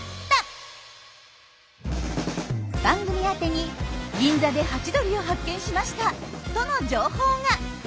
番組宛てに「銀座でハチドリを発見しました！」との情報が。